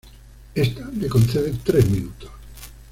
Esta le concede tres minutos.